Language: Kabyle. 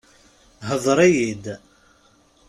Hḍeṛ-iyi-d!